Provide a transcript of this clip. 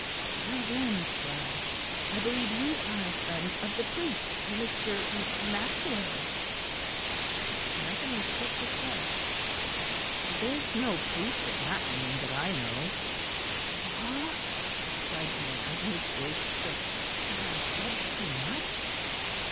"Well then, sir; I believe you are a friend of the priest Mr. M Maxwell's." Anthony shook his head. "There is no priest of that name that I know." "Ah," cried the man, and his voice shook, "have I said too much?